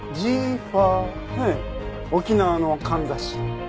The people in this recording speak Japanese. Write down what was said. ええ沖縄のかんざし。